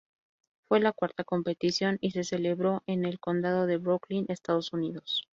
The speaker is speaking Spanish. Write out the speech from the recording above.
Fue la cuarta competición y se celebró en el condado de Brooklyn, Estados Unidos.